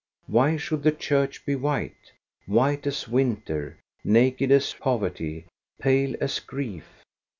Why should the church be white.' White as winter, naked as poverty, pale as grief!